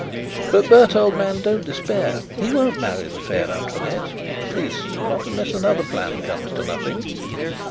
But, Bert, old man, don't despair! He won't marry the fair Antoinette at least, not unless another plan comes to nothing.